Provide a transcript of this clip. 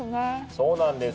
そうなんです。